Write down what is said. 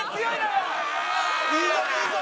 いいぞいいぞ！